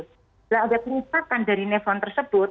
kalau ada penyakit dari nefron tersebut